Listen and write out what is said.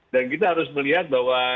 dan kita harus melihat bahwa